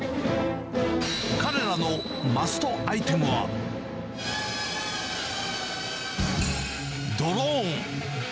彼らのマストアイテムは、ドローン。